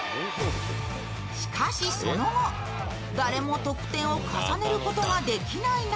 しかし、その後誰も得点を重ねることができない中